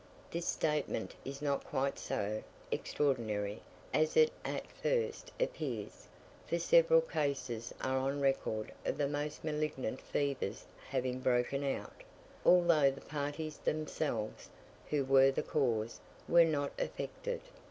This statement is not quite so extraordinary as it at first appears; for several cases are on record of the most malignant fevers having broken out, although the parties themselves, who were the cause, were not affected.